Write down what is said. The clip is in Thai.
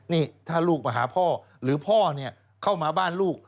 นี่ถ้าลูกมาหาพ่อหรือพ่อเนี่ยเข้ามาบ้านลูก